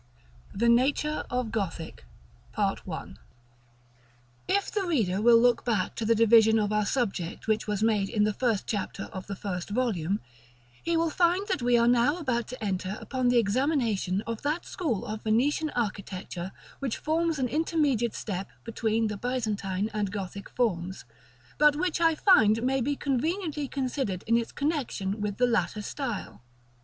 THE NATURE OF GOTHIC. § I. If the reader will look back to the division of our subject which was made in the first chapter of the first volume, he will find that we are now about to enter upon the examination of that school of Venetian architecture which forms an intermediate step between the Byzantine and Gothic forms; but which I find may be conveniently considered in its connexion with the latter style.